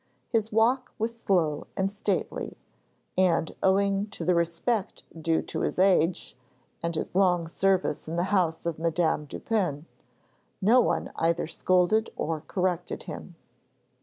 His walk was slow and stately, and, owing to the respect due to his age and his long service in the house of Madame Dupin, no one either scolded or corrected him.